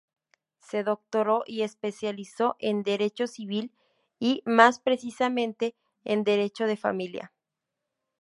Se doctoró y especializó en Derecho Civil y, más precisamente, en Derecho de familia.